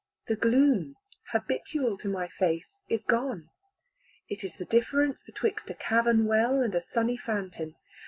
The gloom habitual to my face is gone. It is the difference betwixt a cavern well and a sunny fountain.